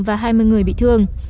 và hai mươi người bị thương